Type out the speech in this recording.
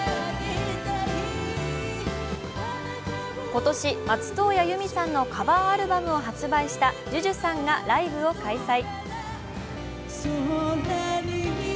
今年、松任谷由実さんのカバーアルバムを発売したＪＵＪＵさんがライブを開催。